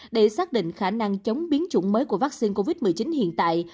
để xác định khả năng chống biến chủng mới của vaccine covid một mươi chín hiện tại